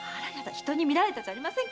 人に見られたじゃありませんか！